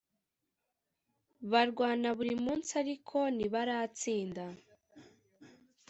barwana buri munsi ariko nibaratsinda